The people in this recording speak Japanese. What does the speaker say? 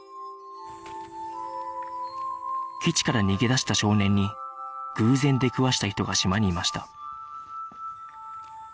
基地から逃げ出した少年に偶然出くわした人が島にいました